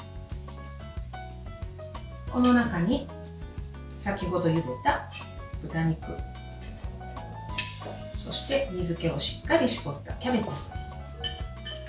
この中に、先ほどゆでた豚肉そして水けをしっかり絞ったキャベツ。